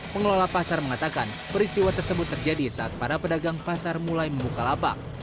pengelola pasar mengatakan peristiwa tersebut terjadi saat para pedagang pasar mulai membuka lapak